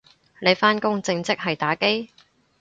你返工正職係打機？